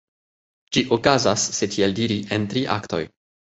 Ĝi okazas, se tiel diri, en tri aktoj.